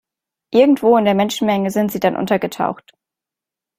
Irgendwo in der Menschenmenge sind sie dann untergetaucht.